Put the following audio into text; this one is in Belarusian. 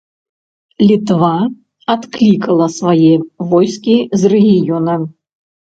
Літва адклікала свае войскі з рэгіёна.